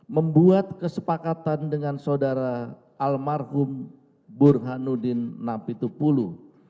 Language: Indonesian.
membuat kesepakatan dengan saudara almarhum burhanuddin napitupulu